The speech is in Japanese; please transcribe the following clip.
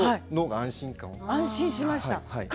安心しました。